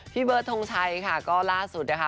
เบิร์ดทงชัยค่ะก็ล่าสุดนะคะ